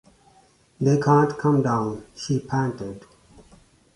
“They can’t come down,” she panted.